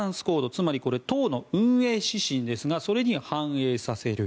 つまり、党の運営指針ですがそれに反映させる。